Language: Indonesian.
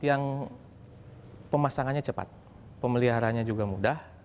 yang pemasangannya cepat pemeliharanya juga mudah